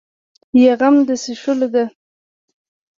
یا غم د څښلو ده.